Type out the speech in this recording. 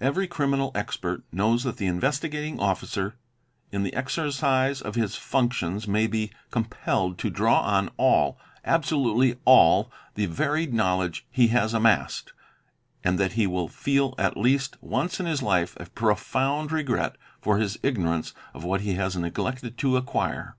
Every criminal expert knows that the Investigating Officer in the exercise of his functions may be compelled to draw on all, absolutely all, the varied knowledge he has amassed, and that he will feel at least once in his life a profound regret for his ignorance of what he has neglected to acquire.